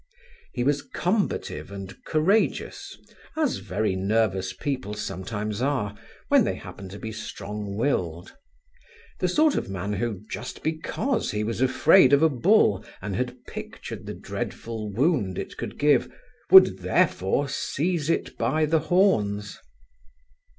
He was combative and courageous as very nervous people sometimes are, when they happen to be strong willed the sort of man who, just because he was afraid of a bull and had pictured the dreadful wound it could give, would therefore seize it by the horns.